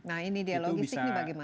nah ini dia logistiknya bagaimana